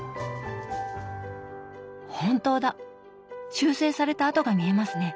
本当だ修正された跡が見えますね。